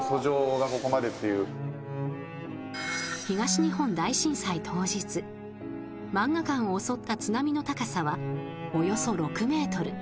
東日本大震災当日萬画館を襲った津波の高さはおよそ６ｍ。